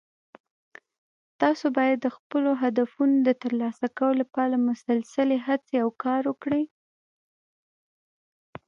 تاسو باید د خپلو هدفونو د ترلاسه کولو لپاره مسلسلي هڅې او کار وکړئ